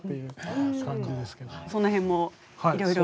その辺もいろいろ。